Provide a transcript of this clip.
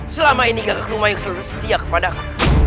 selama ini gagak lumayung selalu setia kepada aku